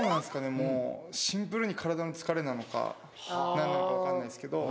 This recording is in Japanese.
もうシンプルに体の疲れなのか何なのか分かんないですけど。